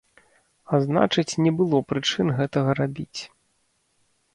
А значыць не было прычын гэтага рабіць.